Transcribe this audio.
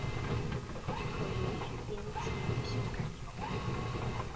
可允许编辑与修改条目。